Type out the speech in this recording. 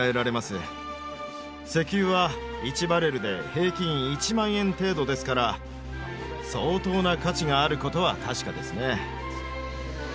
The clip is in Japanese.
石油は１バレルで平均１万円程度ですから相当な価値があることは確かですね。